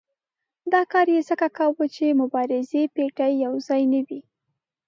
دا کار یې ځکه کاوه چې مبارزې پېټی یو ځای نه وي.